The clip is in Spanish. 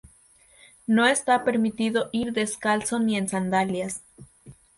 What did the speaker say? No está permitido ir descalzo ni en sandalias.